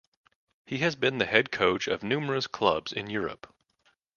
He has been the head coach of numerous clubs in Europe.